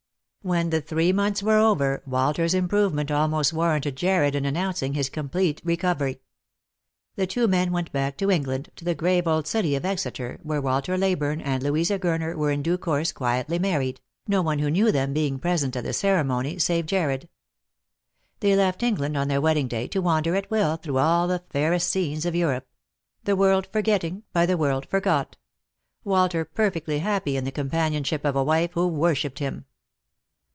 When the three months were over Walter's improvement almost warranted Jarred in announcing his complete recovery. The two men went back to England, to the grave old city of Exeter, where Walter Leyburne and Louisa Gurner were in due course quietly married, no one who knew them being present at Lost for Love. 333 the ceremony, save Jarred. They left England on their wed ding day, to wander at will through all the fairest scenes of Europe — "the world forgetting, by the world forgot;" Walter perfectly happy in the companionship of a wife who wor shipped him.